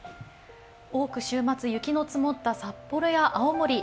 多く週末、雪の積もった札幌や青森